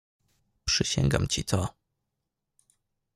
"Przysięgam ci to."